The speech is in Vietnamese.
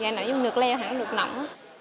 dạy nói dùng nước lèo hẳn nước nọng